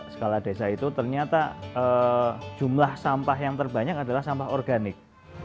skala desa itu ternyata jumlah sampah yang terbanyak adalah sampah organik